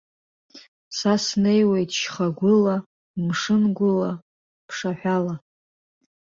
Са снеиуеит шьхагәыла, мшынгәыла, ԥшаҳәала.